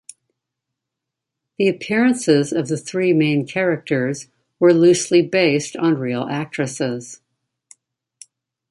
The appearances of the three main characters were loosely based on real actresses.